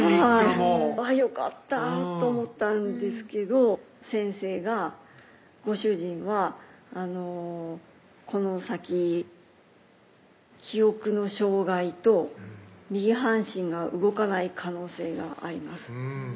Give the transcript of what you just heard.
３日もよかったと思ったんですけど先生が「ご主人はこの先記憶の障害と右半身が動かない可能性があります」